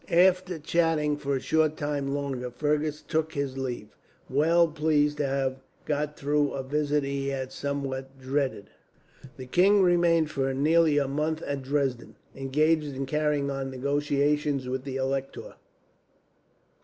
After chatting for a short time longer Fergus took his leave, well pleased to have got through a visit he had somewhat dreaded. The king remained for nearly a month at Dresden, engaged in carrying on negotiations with the Elector.